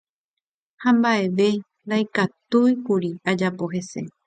Ha mba'eve ndaikatúikuri ojapo hese.